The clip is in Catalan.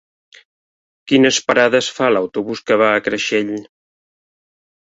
Quines parades fa l'autobús que va a Creixell?